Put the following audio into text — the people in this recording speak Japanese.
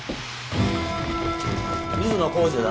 水野浩二だな？